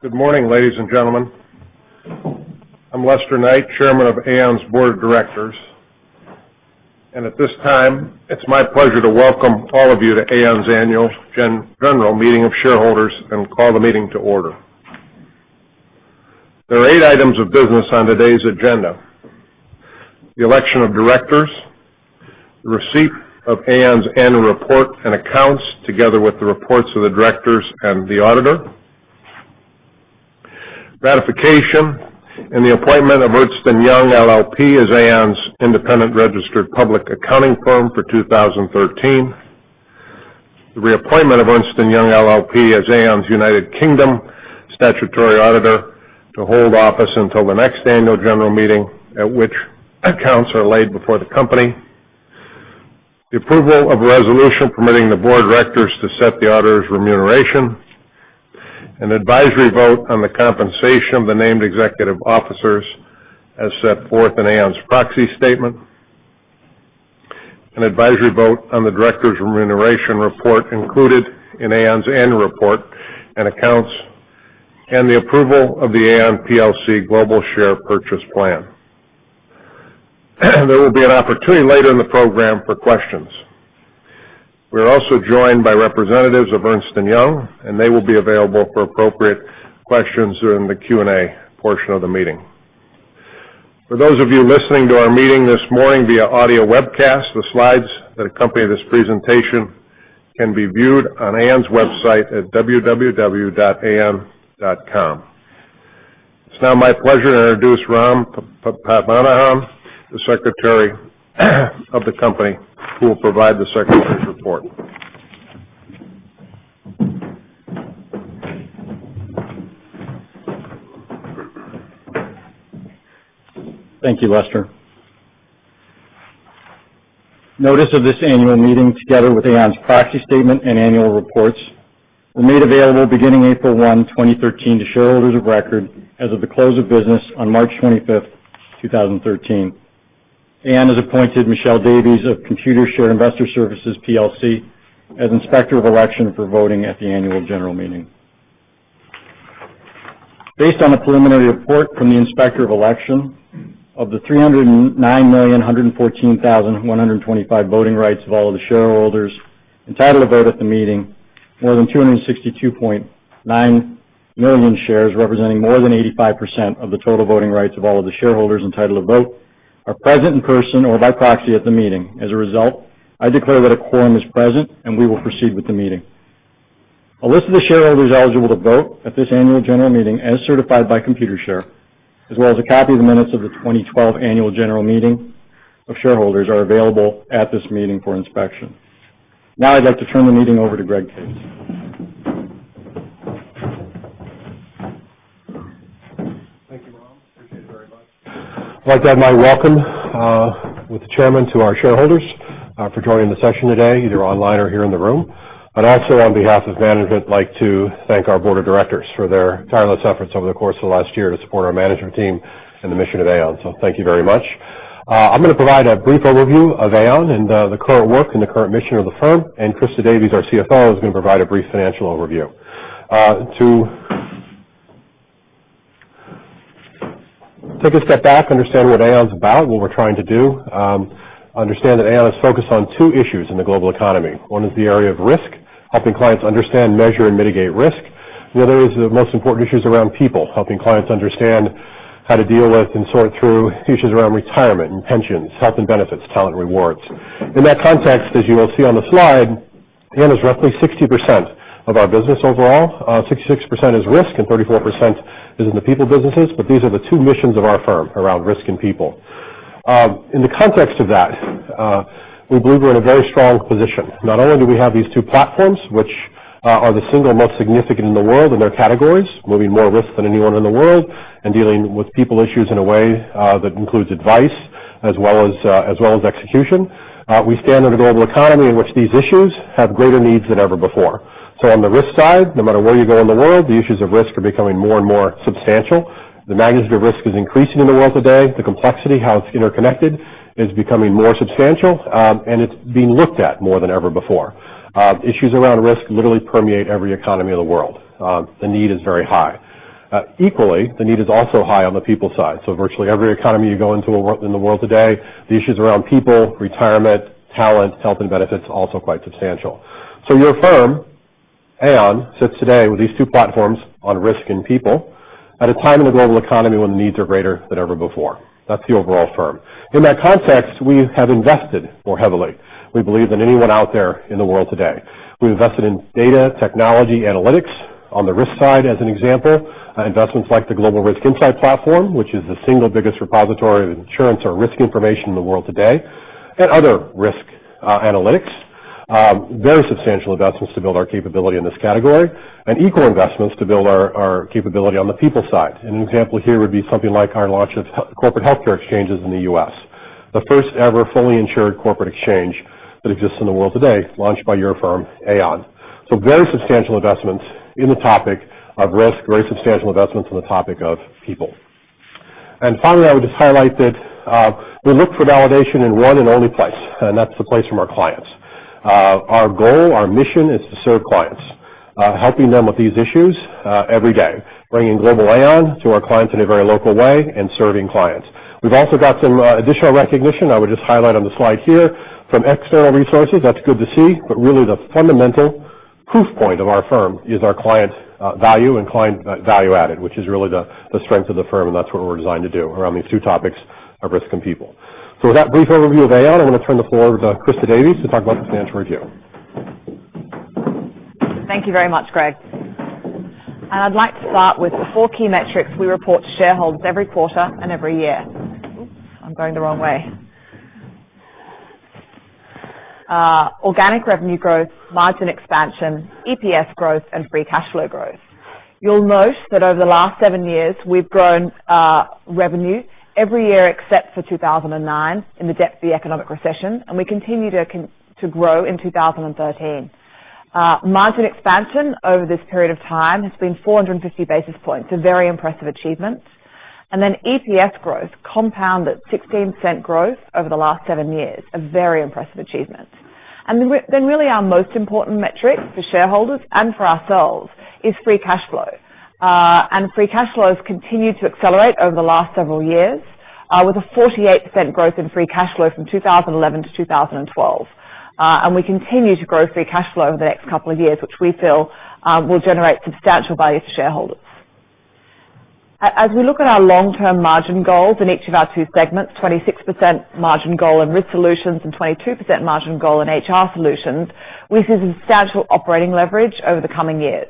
Good morning, ladies and gentlemen. I'm Lester Knight, Chairman of Aon's Board of Directors. At this time, it's my pleasure to welcome all of you to Aon's annual general meeting of shareholders and call the meeting to order. There are eight items of business on today's agenda. The election of directors, the receipt of Aon's annual report and accounts, together with the reports of the directors and the auditor. Ratification, and the appointment of Ernst & Young LLP as Aon's independent registered public accounting firm for 2013. The reappointment of Ernst & Young LLP as Aon's U.K. statutory auditor to hold office until the next annual general meeting at which accounts are laid before the company. The approval of a resolution permitting the Board of Directors to set the auditor's remuneration. An advisory vote on the compensation of the named executive officers as set forth in Aon's proxy statement. An advisory vote on the directors' remuneration report included in Aon's annual report and accounts, and the approval of the Aon plc Global Share Purchase Plan. There will be an opportunity later in the program for questions. We are also joined by representatives of Ernst & Young, they will be available for appropriate questions during the Q&A portion of the meeting. For those of you listening to our meeting this morning via audio webcast, the slides that accompany this presentation can be viewed on Aon's website at www.aon.com. It's now my pleasure to introduce Ram Padmanabhan, the Secretary of the company, who will provide the Secretary's report. Thank you, Lester. Notice of this annual meeting, together with Aon's proxy statement and annual reports, were made available beginning April 1, 2013, to shareholders of record as of the close of business on March 25, 2013. Aon has appointed Michelle Davies of Computershare Investor Services PLC as Inspector of Election for voting at the annual general meeting. Based on a preliminary report from the Inspector of Election, of the 309,114,125 voting rights of all of the shareholders entitled to vote at the meeting, more than 262.9 million shares, representing more than 85% of the total voting rights of all of the shareholders entitled to vote, are present in person or by proxy at the meeting. As a result, I declare that a quorum is present, we will proceed with the meeting. A list of the shareholders eligible to vote at this annual general meeting, as certified by Computershare, as well as a copy of the minutes of the 2012 annual general meeting of shareholders are available at this meeting for inspection. Now I'd like to turn the meeting over to Greg Case. Thank you, Ram. Appreciate it very much. I would like to add my welcome with the chairman to our shareholders, for joining the session today, either online or here in the room. Also on behalf of management, I would like to thank our board of directors for their tireless efforts over the course of last year to support our management team and the mission of Aon. Thank you very much. I am going to provide a brief overview of Aon and the current work and the current mission of the firm, and Christa Davies, our CFO, is going to provide a brief financial overview. To take a step back, understand what Aon's about, what we are trying to do. Understand that Aon is focused on two issues in the global economy. One is the area of risk, helping clients understand, measure, and mitigate risk. The other is the most important issue is around people, helping clients understand how to deal with and sort through issues around retirement and pensions, health and benefits, talent, rewards. In that context, as you will see on the slide, Aon is roughly 60% of our business overall. 66% is risk, and 34% is in the people businesses, but these are the two missions of our firm, around risk and people. In the context of that, we believe we are in a very strong position. Not only do we have these two platforms, which are the single most significant in the world in their categories, moving more risk than anyone in the world and dealing with people issues in a way that includes advice as well as execution. We stand in a global economy in which these issues have greater needs than ever before. On the risk side, no matter where you go in the world, the issues of risk are becoming more and more substantial. The magnitude of risk is increasing in the world today. The complexity, how it is interconnected, is becoming more substantial, and it is being looked at more than ever before. Issues around risk literally permeate every economy of the world. The need is very high. Equally, the need is also high on the people side. Virtually every economy you go into in the world today, the issues around people, retirement, talent, health, and benefits, also quite substantial. Your firm, Aon, sits today with these two platforms on risk and people at a time in the global economy when the needs are greater than ever before. That is the overall firm. In that context, we have invested more heavily, we believe, than anyone out there in the world today. We invested in data, technology, analytics on the risk side, as an example, investments like the Global Risk Insight Platform, which is the single biggest repository of insurance or risk information in the world today, and other risk analytics. Very substantial investments to build our capability in this category, and equal investments to build our capability on the people side. An example here would be something like our launch of corporate healthcare exchanges in the U.S., the first ever fully insured corporate exchange that exists in the world today, launched by your firm, Aon. Very substantial investments in the topic of risk, very substantial investments on the topic of people. I would just highlight that we look for validation in one and only place, and that's the place from our clients. Our goal, our mission, is to serve clients, helping them with these issues every day, bringing global Aon to our clients in a very local way and serving clients. We've also got some additional recognition, I would just highlight on the slide here, from external resources. That's good to see, but really the fundamental proof point of our firm is our client value and client value added, which is really the strength of the firm, and that's what we're designed to do around these two topics of risk and people. With that brief overview of Aon, I'm going to turn the floor over to Christa Davies to talk about the financial review. Thank you very much, Greg. I'd like to start with the four key metrics we report to shareholders every quarter and every year. Oops, I'm going the wrong way. Organic revenue growth, margin expansion, EPS growth, and free cash flow growth. You'll note that over the last seven years, we've grown revenue every year except for 2009, in the depth of the economic recession, and we continue to grow in 2013. Margin expansion over this period of time has been 450 basis points, a very impressive achievement. EPS growth compounded 16% growth over the last seven years, a very impressive achievement. Really our most important metric for shareholders and for ourselves is free cash flow. Free cash flows continue to accelerate over the last several years with a 48% growth in free cash flow from 2011 to 2012. We continue to grow free cash flow over the next couple of years, which we feel will generate substantial value to shareholders. As we look at our long-term margin goals in each of our two segments, 26% margin goal in Risk Solutions and 22% margin goal in HR Solutions, we see substantial operating leverage over the coming years.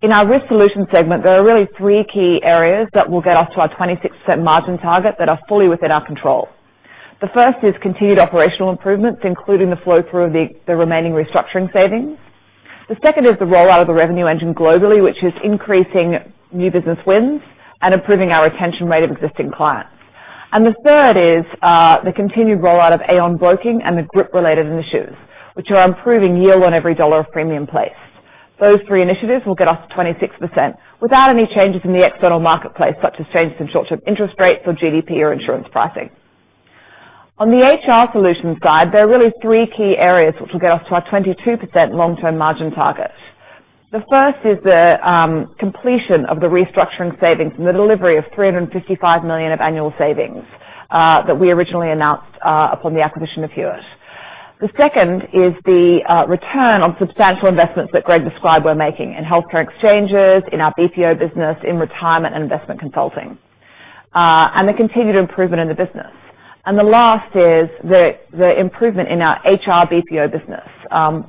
In our Risk Solutions segment, there are really three key areas that will get us to our 26% margin target that are fully within our control. The first is continued operational improvements, including the flow-through of the remaining restructuring savings. The second is the rollout of the revenue engine globally, which is increasing new business wins and improving our retention rate of existing clients. The third is the continued rollout of Aon Broking and the group-related initiatives, which are improving yield on every $ of premium placed. Those three initiatives will get us to 26% without any changes in the external marketplace, such as changes in short-term interest rates or GDP or insurance pricing. On the HR Solutions side, there are really three key areas which will get us to our 22% long-term margin target. The first is the completion of the restructuring savings and the delivery of $355 million of annual savings that we originally announced upon the acquisition of Hewitt. The second is the return on substantial investments that Greg described we're making in healthcare exchanges, in our BPO business, in retirement and investment consulting, and the continued improvement in the business. The last is the improvement in our HR BPO business,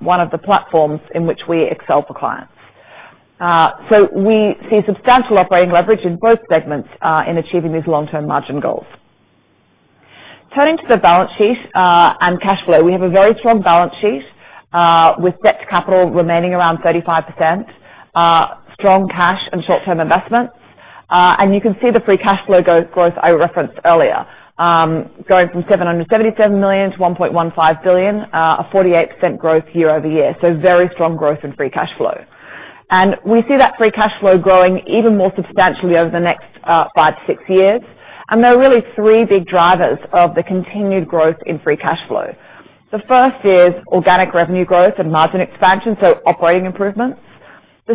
one of the platforms in which we excel for clients. We see substantial operating leverage in both segments in achieving these long-term margin goals. Turning to the balance sheet and cash flow, we have a very strong balance sheet with debt to capital remaining around 35%, strong cash and short-term investments. You can see the free cash flow growth I referenced earlier, going from $777 million to $1.15 billion, a 48% growth year-over-year. Very strong growth in free cash flow. We see that free cash flow growing even more substantially over the next 5-6 years. There are really three big drivers of the continued growth in free cash flow. First is organic revenue growth and margin expansion, so operating improvements.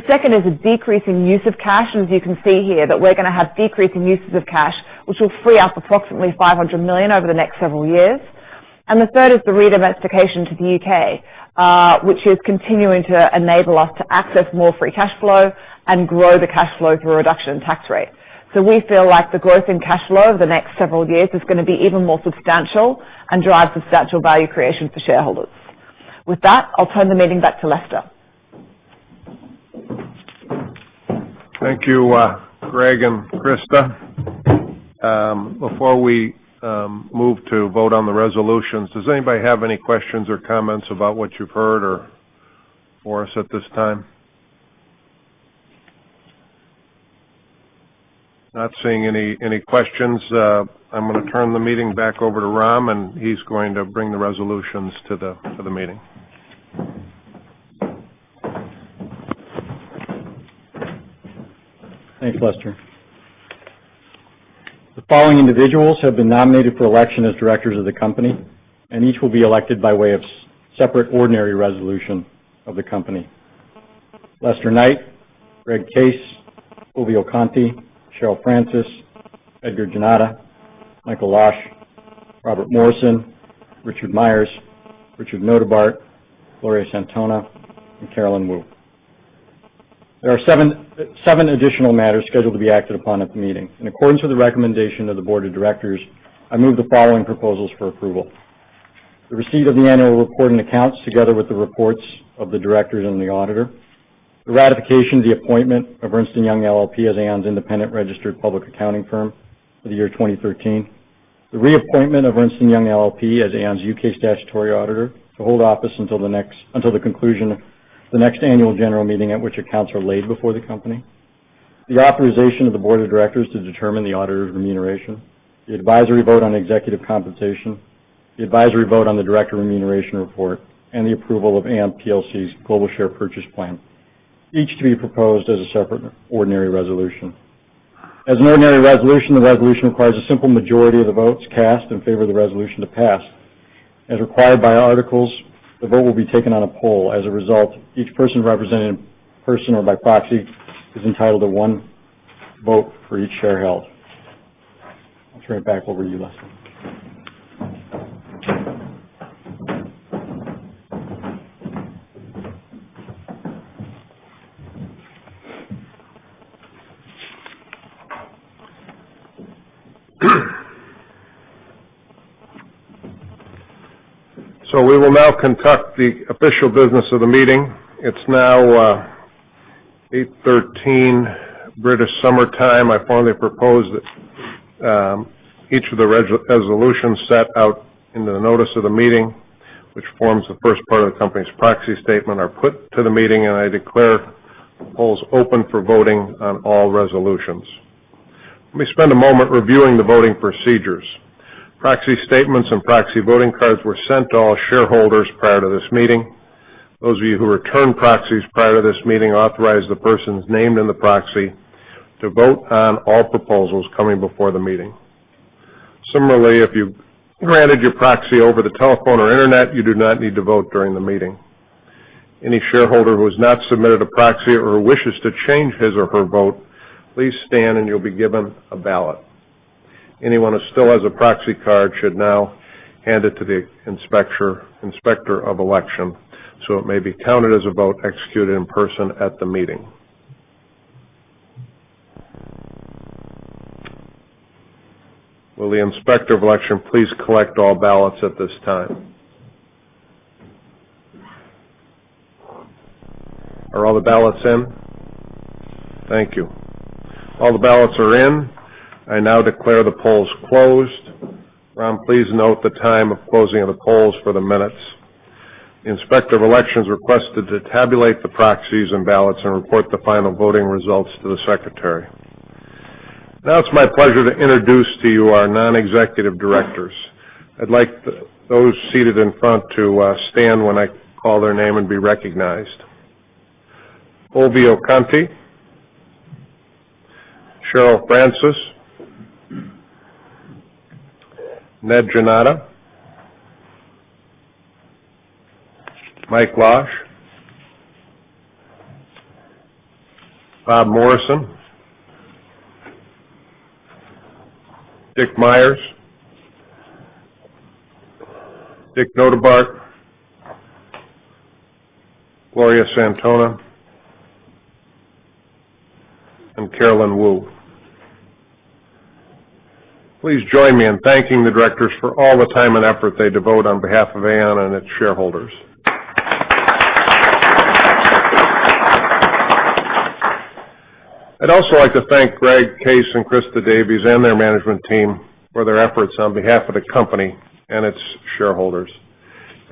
Second is a decrease in use of cash, and as you can see here, that we're going to have decreasing uses of cash, which will free up approximately $500 million over the next several years. Third is the redomestication to the U.K., which is continuing to enable us to access more free cash flow and grow the cash flow through a reduction in tax rate. We feel like the growth in cash flow over the next several years is going to be even more substantial and drive substantial value creation for shareholders. With that, I'll turn the meeting back to Lester. Thank you, Greg and Christa. Before we move to vote on the resolutions, does anybody have any questions or comments about what you've heard or for us at this time? Not seeing any questions. I'm going to turn the meeting back over to Ram, and he's going to bring the resolutions to the meeting. Thanks, Lester. The following individuals have been nominated for election as directors of the company, and each will be elected by way of separate ordinary resolution of the company. Lester Knight, Greg Case, Fulvio Conti, Cheryl Francis, Edgar Jannotta, Michael Losh, Robert Morrison, Richard Myers, Richard Notebaert, Gloria Santona, and Carolyn Woo. There are seven additional matters scheduled to be acted upon at the meeting. In accordance with the recommendation of the board of directors, I move the following proposals for approval. The receipt of the annual report and accounts, together with the reports of the directors and the auditor. The ratification of the appointment of Ernst & Young LLP as Aon's independent registered public accounting firm for the year 2013. The reappointment of Ernst & Young LLP as Aon's U.K. statutory auditor to hold office until the conclusion of the next annual general meeting at which accounts are laid before the company. The authorization of the Board of Directors to determine the auditor's remuneration. The advisory vote on executive compensation. The advisory vote on the Director remuneration report. The approval of Aon plc's Global Share Purchase Plan. Each to be proposed as a separate ordinary resolution. As an ordinary resolution, the resolution requires a simple majority of the votes cast in favor of the resolution to pass. As required by articles, the vote will be taken on a poll. As a result, each person, represented in person or by proxy, is entitled to one vote for each share held. I'll turn it back over to you, Lester. We will now conduct the official business of the meeting. It's now 8:13 A.M. British Summer Time. I formally propose that each of the resolutions set out in the notice of the meeting, which forms the first part of the company's proxy statement, are put to the meeting, and I declare the polls open for voting on all resolutions. Let me spend a moment reviewing the voting procedures. Proxy statements and proxy voting cards were sent to all shareholders prior to this meeting. Those of you who returned proxies prior to this meeting authorized the persons named in the proxy to vote on all proposals coming before the meeting. Similarly, if you granted your proxy over the telephone or internet, you do not need to vote during the meeting. Any shareholder who has not submitted a proxy or wishes to change his or her vote, please stand and you'll be given a ballot. Anyone who still has a proxy card should now hand it to the Inspector of Election so it may be counted as a vote executed in person at the meeting. Will the Inspector of Election please collect all ballots at this time. Are all the ballots in? Thank you. All the ballots are in. I now declare the polls closed. Ram, please note the time of closing of the polls for the minutes. The Inspector of Election is requested to tabulate the proxies and ballots and report the final voting results to the Secretary. It's my pleasure to introduce to you our non-executive Directors. I'd like those seated in front to stand when I call their name and be recognized. Fulvio Conti. Cheryl Francis. Ned Jannotta. Mike Losh. Bob Morrison. Dick Myers. Dick Notebaert. Gloria Santona. Carolyn Woo. Please join me in thanking the Directors for all the time and effort they devote on behalf of Aon and its shareholders. I'd also like to thank Greg Case and Christa Davies and their management team for their efforts on behalf of the company and its shareholders,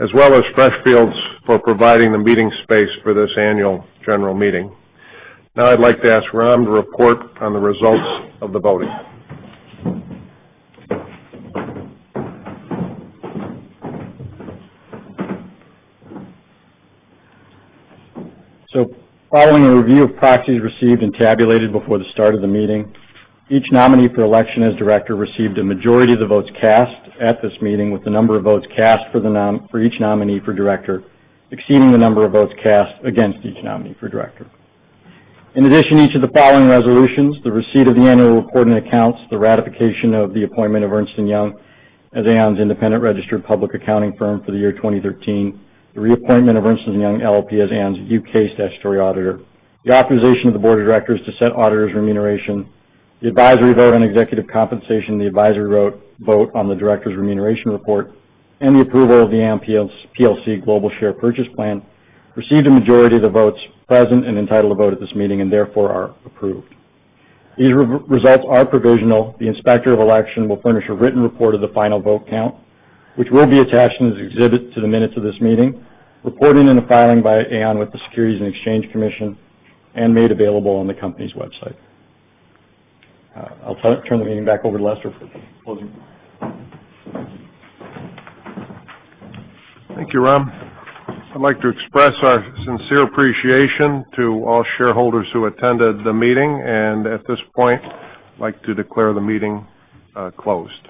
as well as Freshfields for providing the meeting space for this annual general meeting. I'd like to ask Ram to report on the results of the voting. Following a review of proxies received and tabulated before the start of the meeting, each nominee for election as director received a majority of the votes cast at this meeting, with the number of votes cast for each nominee for director exceeding the number of votes cast against each nominee for director. In addition, each of the following resolutions, the receipt of the annual report and accounts, the ratification of the appointment of Ernst & Young as Aon's independent registered public accounting firm for the year 2013, the reappointment of Ernst & Young LLP as Aon's U.K. statutory auditor, the authorization of the Board of Directors to set auditors' remuneration, the advisory vote on executive compensation, the advisory vote on the directors' remuneration report, and the approval of the Aon plc Global Share Purchase Plan, received a majority of the votes present and entitled to vote at this meeting, and therefore are approved. These results are provisional. The Inspector of Election will furnish a written report of the final vote count, which will be attached as an exhibit to the minutes of this meeting, reported in a filing by Aon with the Securities and Exchange Commission, and made available on the company's website. I'll turn the meeting back over to Lester for closing. Thank you, Ram. I'd like to express our sincere appreciation to all shareholders who attended the meeting. At this point, I'd like to declare the meeting closed.